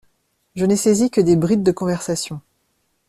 Je n’ai saisi que des brides de conversation.